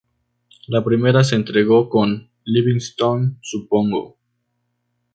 La primera se estrenó con "Livingstone Supongo".